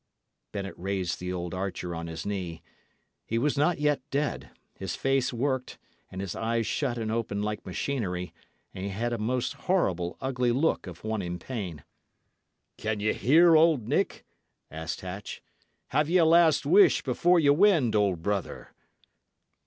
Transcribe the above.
Bennet raised the old archer on his knee. He was not yet dead; his face worked, and his eyes shut and opened like machinery, and he had a most horrible, ugly look of one in pain. "Can ye hear, old Nick?" asked Hatch. "Have ye a last wish before ye wend, old brother?"